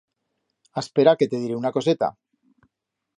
Aspera que te diré una coseta.